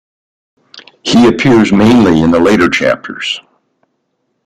He appears mainly in the later chapters.